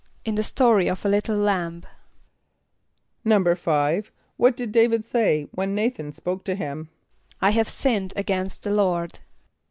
=In the story of a little lamb.= =5.= What did D[=a]´vid say when N[=a]´than spoke to him? ="I have sinned against the Lord."